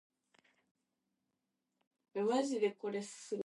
Her list ran unopposed.